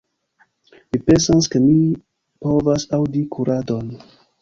Mi pensas, ke mi povas aŭdi kuradon.